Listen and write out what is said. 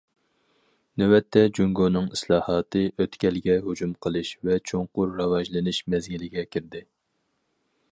نۆۋەتتە، جۇڭگونىڭ ئىسلاھاتى ئۆتكەلگە ھۇجۇم قىلىش ۋە چوڭقۇر راۋاجلىنىش مەزگىلىگە كىردى.